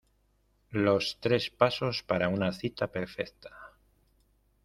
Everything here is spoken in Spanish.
los tres pasos para una cita perfecta.